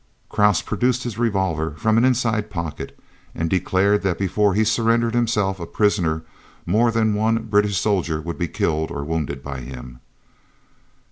Krause produced his revolver from an inside pocket, and declared that before he surrendered himself a prisoner more than one British soldier would be killed or wounded by him.